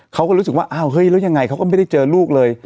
เขาก็รู้สึกว่าอ้าวเฮ้ยแล้วยังไงเขาก็ไม่ได้เจอลูกเลย